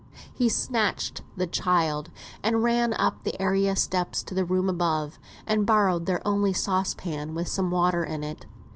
He snatched the child, and ran up the area steps to the room above, and borrowed their only saucepan with some water in it.